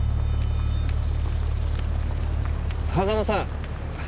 狭間さん。